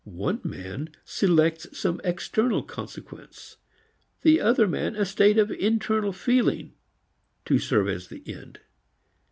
One man selects some external consequence, the other man a state of internal feeling, to serve as the end.